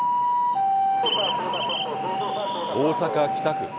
大阪・北区。